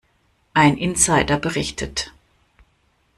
Ein Insider berichtet.